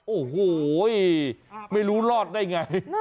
โอ้โหไม่รู้รอดได้ไง